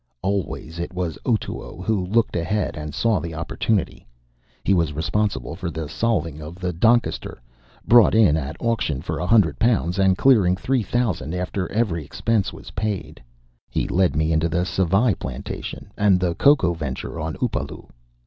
Always it was Otoo who looked ahead and saw the opportunity. He was responsible for the salving of the Doncaster bought in at auction for a hundred pounds, and clearing three thousand after every expense was paid. He led me into the Savaii plantation and the cocoa venture on Upolu.